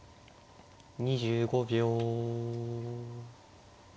２５秒。